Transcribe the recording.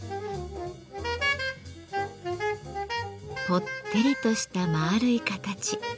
ぽってりとしたまあるい形。